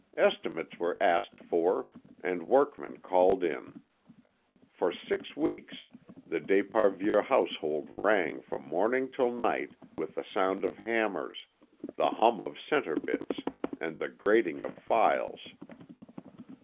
Estimates were asked for and workmen called in. For six weeks the d'Esparvieu household rang from morning till night with the sound of hammers, the hum of centre bits, and the grating of files.